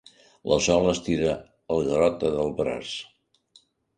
La Sol estira el Garota del braç.